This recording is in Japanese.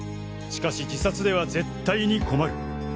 しかし自殺では絶対に困る。